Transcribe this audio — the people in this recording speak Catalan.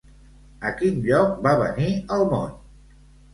A quin lloc va venir al món?